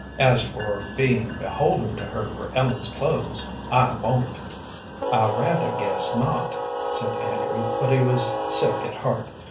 As for being beholden to her for Ellen's clothes, I won't." "I rather guess not," said Andrew, but he was sick at heart.